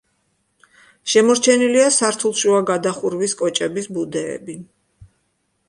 შემორჩენილია სართულშუა გადახურვის კოჭების ბუდეები.